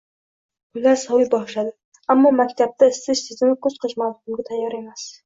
Kunlar soviy boshladi, ammo maktabda isitish tizimi kuz-qish mavsumiga tayyor emas